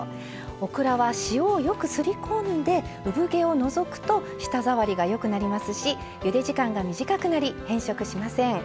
オクラは塩を、よくすりこんでうぶ毛を除くと舌触りがよくなりますしゆで時間が短くなり変色しません。